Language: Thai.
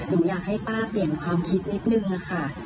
หนูอยากให้ป้าเปลี่ยนความคิดนิดนึงค่ะ